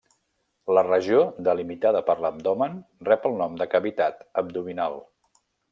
La regió delimitada per l'abdomen rep el nom de cavitat abdominal.